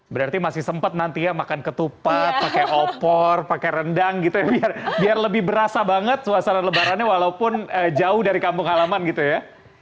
berarti masih sempat nanti ya makan ketupat pakai opor pakai rendang gitu ya biar lebih berasa banget suasana lebarannya walaupun jauh dari kampung halaman gitu ya